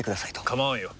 構わんよ。